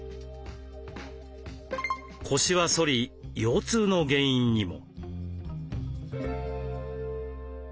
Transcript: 腰は反り腰痛の原因にも。